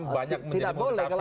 banyak menjadi pintu tafsir